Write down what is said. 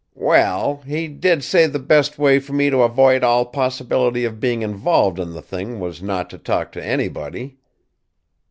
"We ell, he did say the best way for me to avoid all possibility of being involved in the thing was not to talk to anybody."